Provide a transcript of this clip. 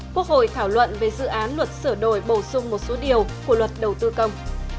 quốc hội thảo luận về dự án luật sửa đổi bổ sung một số điều của luật đầu tư công